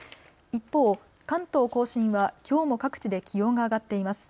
一方、関東甲信はきょうも各地で気温が上がっています。